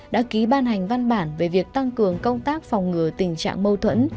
đã ký ban hành văn bản về việc tăng cường công tác phòng ngừa tình trạng mâu thuẫn